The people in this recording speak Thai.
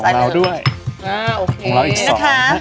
ของเราด้วยของเราอีก๒นะ